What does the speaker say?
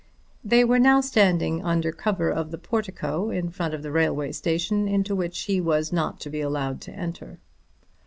They were now standing under cover of the portico in front of the railway station, into which he was not to be allowed to enter.